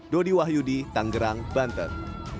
dodi wahyudi tanggerang banten